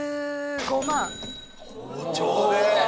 包丁で！